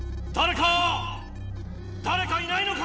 だれかいないのか！